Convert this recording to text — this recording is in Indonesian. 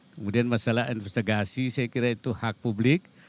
kemudian masalah investigasi saya kira itu hak publik